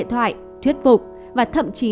hỏi thuyết phục và thậm chí